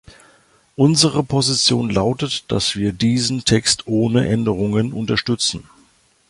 Unsere Position lautet, dass wir diesen Text ohne Änderungen unterstützen.